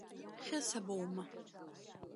Хьыса боума?